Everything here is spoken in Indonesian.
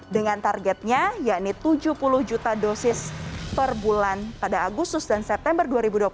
dengan targetnya yakni tujuh puluh juta dosis per bulan pada agustus dan september dua ribu dua puluh satu